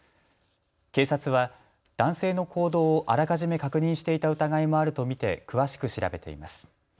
警察は男性の行動をあらかじめ確認していた疑いもあると見て詳しく調べています。